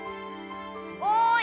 ・おい！